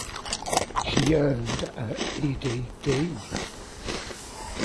She earned a Ed.D.